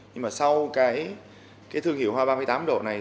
nhưng mà sau cái thương hiệu hoa ba mươi tám độ này